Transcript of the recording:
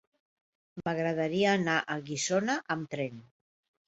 M'agradaria anar a Guissona amb tren.